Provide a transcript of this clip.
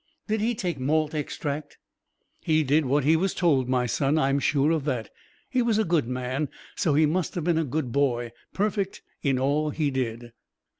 "Did He take malt extract?" "He did what He was told, my son I am sure of that. He was a good man, so He must have been a good boy perfect in all He did."